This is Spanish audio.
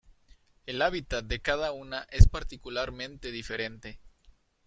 El hábitat de cada una es particularmente diferente.